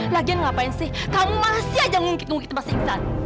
lagian ngapain sih kamu masih aja ngikut ngikut mas ihsan